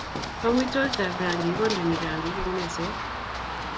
Amitwogikap rangik kondeni rangik eng meset